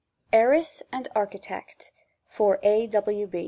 HEIRESS AND ARCHITECT FOR A.